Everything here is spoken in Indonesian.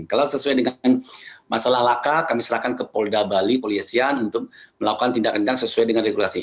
kalau sesuai dengan masalah laka kami serahkan ke polda bali polisian untuk melakukan tindakan sesuai dengan regulasi